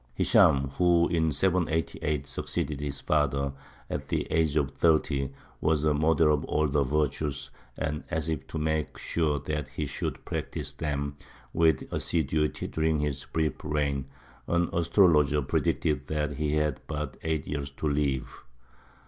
Hishām, who in 788 succeeded his father, at the age of thirty, was a model of all the virtues; and, as if to make sure that he should practise them with assiduity during his brief reign, an astrologer predicted that he had but eight years to live.